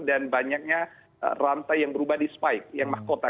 dan banyaknya rantai yang berubah di spike yang mahkota